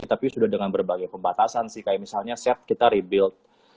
tapi sudah dengan berbagai pembatasan sih kayak misalnya set kita rebuild